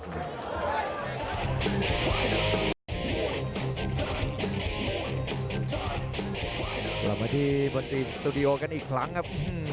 กลับมาที่บนตรีสตูดิโอกันอีกครั้งครับ